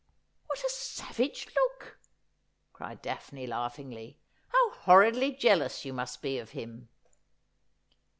'What a savage look!' cried Daphne laughingly. 'How horridly jealous you must be of him